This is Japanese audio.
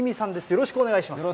よろしくお願いします。